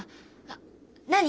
あっ何？